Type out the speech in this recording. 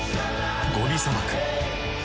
ゴビ砂漠。